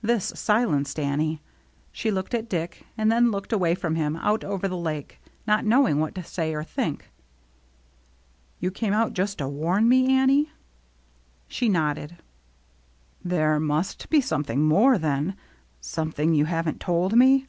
This silenced Annie. She looked at Dick, and then looked away from him, out over the Lake, not knowing what to say or think. " You came out just to warn me, Annie ?" THE EVENING OF THE SAME DAY 205 She nodded. "There must be something more then — something you haven't told me."